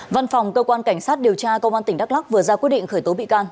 văn phòng cơ quan cảnh sát điều tra công an tỉnh đắk lắc vừa ra quyết định khởi tố bị can